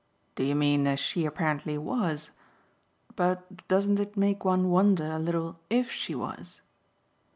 "Do you mean as she apparently WAS? But doesn't it make one wonder a little IF she was?"